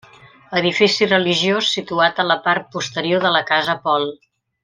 Edifici religiós situat a la part posterior de la Casa Pol.